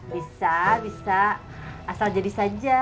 bisa bisa asal jadi saja